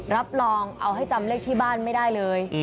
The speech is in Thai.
รับรองเอาให้จำเลขที่บ้านไม่ได้เลย